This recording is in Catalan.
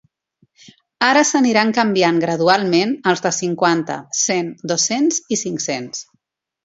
Ara s’aniran canviant gradualment els de cinquanta, cent, dos-cents i cinc-cents.